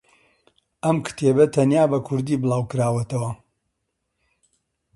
ئەم کتێبە تەنیا بە کوردی بڵاوکراوەتەوە.